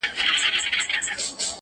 • هغه خو زما کره په شپه راغلې نه ده،